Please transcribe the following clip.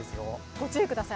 ご注意ください。